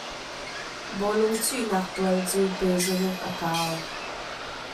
Bawlung chuihnak tual cu pezaruk a kau.